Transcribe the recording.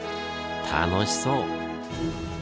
楽しそう！